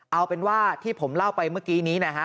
เอาเป็นว่าที่ผมเล่าไปเมื่อกี้นี้นะฮะ